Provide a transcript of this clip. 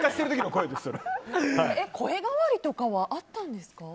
声変わりとかはあったんですか？